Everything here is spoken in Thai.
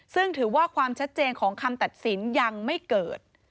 ซึ่งถือว่าความชัดเจนของคำตัดสินยังไม่เกิด